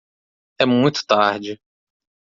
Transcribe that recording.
É muito tarde